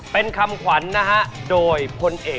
เป็นคำขวัญนะครับ